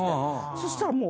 そしたらもう。